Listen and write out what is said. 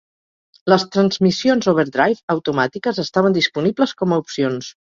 Les transmissions overdrive automàtiques estaven disponibles com a opcions.